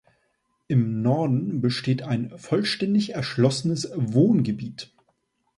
Im Norden besteht ein vollständig erschlossenes Wohngebiet.